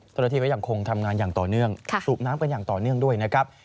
เจ้าหน้าที่ก็ยังคงทำงานอย่างต่อเนื่องสูบน้ำกันอย่างต่อเนื่องด้วยนะครับ